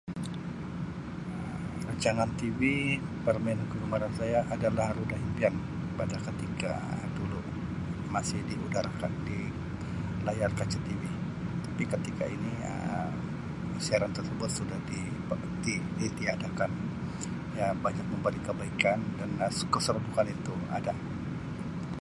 Rancangan TV [unintelligible] adalah roda impian pada ketika dulu masih di udara kan di layar kaca TV tapi ketika ini Um siaran tersebut sudah di berhenti di tiadakan ia banyak memberikan kebaikan dan Um [unintelligible] keseru kan itu ada.